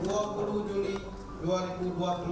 untuk berburu harimau